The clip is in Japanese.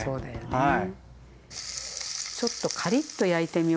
はい。